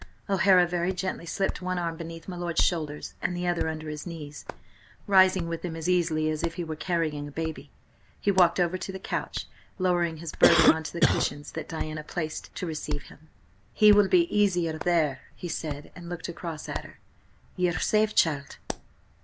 O'Hara very gently slipped one arm beneath my lord's shoulders and the other under his knees, rising with him as easily as if he were carrying a baby. He walked over to the couch, lowering his burden on to the cushions that Diana placed to receive him. "He will be easier there," he said, and looked across at her. "Ye are quite safe, child?"